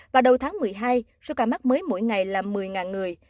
và đầu tháng một mươi hai số ca mắc mới mỗi ngày là một mươi người